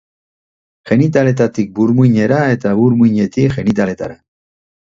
Genitaletatik burmuinera eta burmuinetik genitaletara.